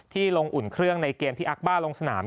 ลงอุ่นเครื่องในเกมที่อักบ้าลงสนาม